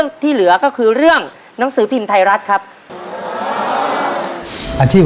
ยังเหลือเวลาทำไส้กรอกล่วงได้เยอะเลยลูก